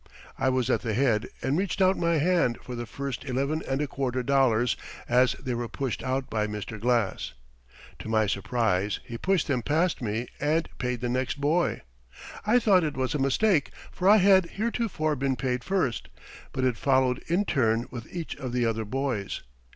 I was at the head and reached out my hand for the first eleven and a quarter dollars as they were pushed out by Mr. Glass. To my surprise he pushed them past me and paid the next boy. I thought it was a mistake, for I had heretofore been paid first, but it followed in turn with each of the other boys.